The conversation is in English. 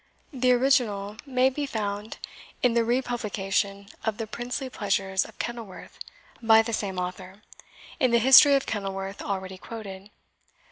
The original may be found in the republication of the Princely Pleasures of Kenilworth, by the same author, in the History of Kenilworth already quoted.